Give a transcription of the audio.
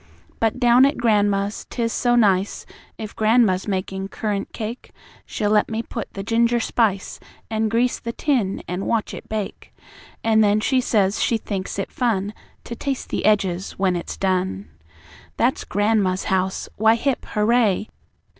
"But down at gran'ma's 'tis so nice. If gran'ma's making currant cake, She'll let me put the ginger spice, An' grease the tin, an' watch it bake; An' then she says she thinks it fun To taste the edges when it's done. "That's gran'ma's house. Why, hip, hooray!